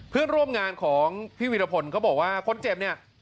เพื่อนร่วมงานของพี่วิรพลเขาบอกว่าคนเจ็บเนี่ย